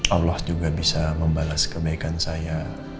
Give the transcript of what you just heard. allah juga bisa membalas kebaikan saya